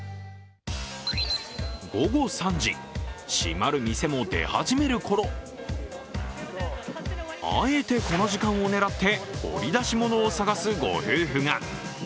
午後３時、閉まる店も出始めるころ、あえて、この時間を狙って掘り出し物を探すご夫婦が。